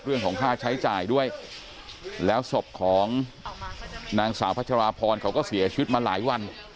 เรื่องของค่าใช้จ่ายด้วยแล้วศพของนางสาวพัชราพรเขาก็เสียชีวิตมาหลายวัน